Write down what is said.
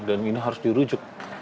dan ini harus dirujuk